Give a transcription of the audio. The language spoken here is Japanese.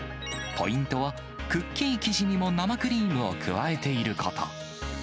ポイントは、クッキー生地にも生クリームを加えていること。